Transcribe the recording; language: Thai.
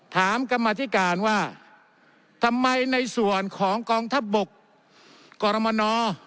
กรรมธิการว่าทำไมในส่วนของกองทัพบกกรมน